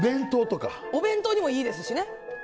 お弁当にもいいですしね。